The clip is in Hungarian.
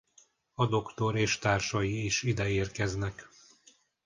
A Doktor és társai is ide érkeznek.